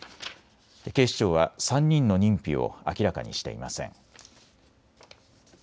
警視庁は３人の認否を明らかにしていません。